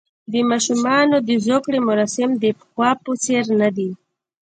د ماشومانو د زوکړې مراسم د پخوا په څېر نه دي.